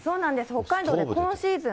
北海道、今シーズン